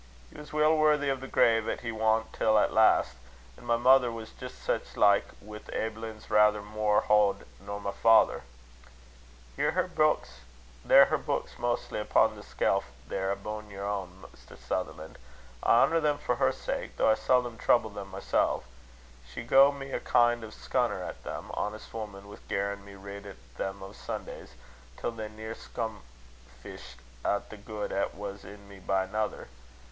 He was weel worthy o' the grave 'at he wan till at last. An' my mither was jist sic like, wi' aiblins raither mair heid nor my father. They're her beuks maistly upo' the skelf there abune yer ain, Mr. Sutherlan'. I honour them for her sake, though I seldom trouble them mysel'. She gae me a kin' o' a scunner at them, honest woman, wi' garrin' me read at them o' Sundays, till they near scomfisht a' the guid 'at was in me by nater.